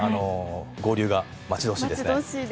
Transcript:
合流が待ち遠しいですね。